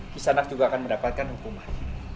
pus anak juga akan mendapatkan hukuman